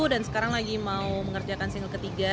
dan sekarang lagi mau mengerjakan single ketiga